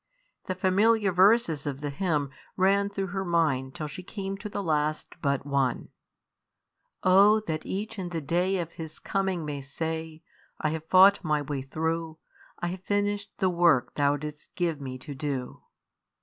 The familiar verses of the hymn ran through her mind till she came to the last but one Oh! that each in the day of His coming may say, "I have fought my way through, I have finished the work Thou didst give me to do."